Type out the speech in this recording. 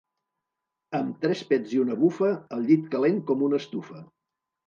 Amb tres pets i una bufa, el llit calent com una estufa.